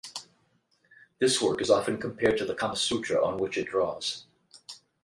This work is often compared to the "Kama Sutra", on which it draws.